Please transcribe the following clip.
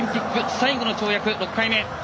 最後の跳躍、６回目。